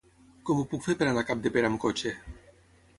Com ho puc fer per anar a Capdepera amb cotxe?